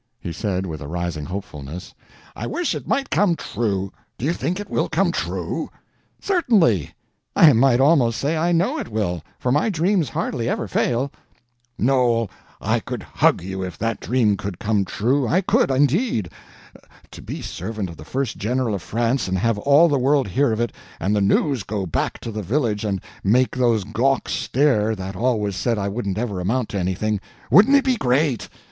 He said, with a rising hopefulness: "I wish it might come true. Do you think it will come true?" "Certainly; I might almost say I know it will, for my dreams hardly ever fail." "Noel, I could hug you if that dream could come true, I could, indeed! To be servant of the first General of France and have all the world hear of it, and the news go back to the village and make those gawks stare that always said I wouldn't ever amount to anything—wouldn't it be great!